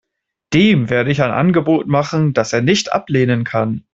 Dem werde ich ein Angebot machen, das er nicht ablehnen kann.